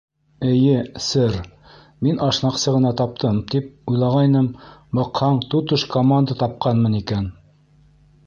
Эйе, сэр, мин ашнаҡсы ғына таптым тип уйлағайным, баҡһаң, тотош команда тапҡанмын икән.